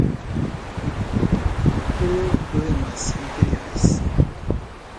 problemas materiais